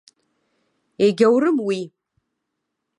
Егьаурым уи.